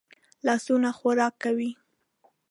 لاسونه خوراک کوي